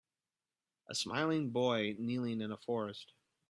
A smiling boy kneeling in a forest